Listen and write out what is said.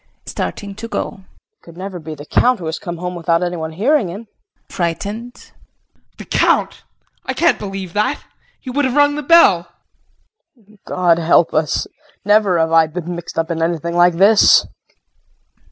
KRISTIN [Starting to go]. It could never be the Count who has come home without anyone hearing him? JEAN [Frightened]. The Count! I can't believe that. He would have rung the bell. KRISTIN. God help us! Never have I been mixed up in anything like this!